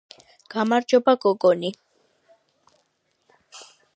გამარჯობა გოგონი